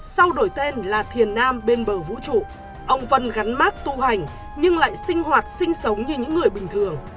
sau đổi tên là thiền nam bên bờ vũ trụ ông vân gắn mát tu hành nhưng lại sinh hoạt sinh sống như những người bình thường